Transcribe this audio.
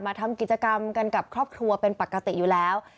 ทำกิจกรรมกันกับครอบครัวเป็นปกติอยู่แล้ว